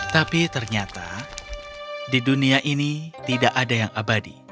tapi ternyata di dunia ini tidak ada yang abadi